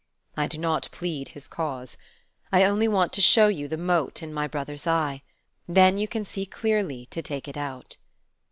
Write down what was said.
I do not plead his cause. I only want to show you the mote in my brother's eye: then you can see clearly to take it out.